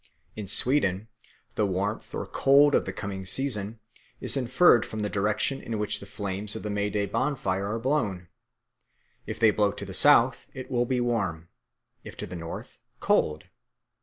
In Sweden the warmth or cold of the coming season is inferred from the direction in which the flames of the May Day bonfire are blown; if they blow to the south, it will be warm, if to the north, cold.